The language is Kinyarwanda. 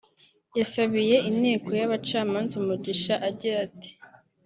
yasabiye inteko y’abacamanza umugisha agira ati